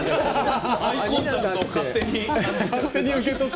アイコンタクトを勝手に受け取って。